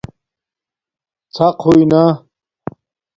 ݼق ہوئئ نہ